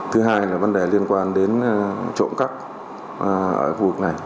thứ hai là vấn đề liên quan đến trụng cấp ở khu vực này